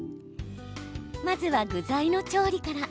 まずは具材の調理から。